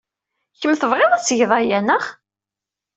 Kemm tebɣiḍ ad tgeḍ aya, naɣ?